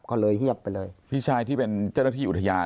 ก็เลยเฮียบไปเลยพี่ชายที่เป็นเจ้าหน้าที่อุทยาน